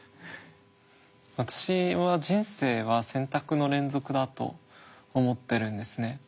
私は人生は選択の連続だと思ってるんですね。